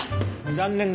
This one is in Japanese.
残念だね。